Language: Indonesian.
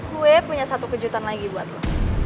gue punya satu kejutan lagi buat lo